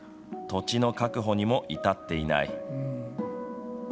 土地の確保にも至っていない。